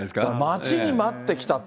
待ちに待って来たって。